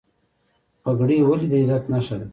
پګړۍ ولې د عزت نښه ده؟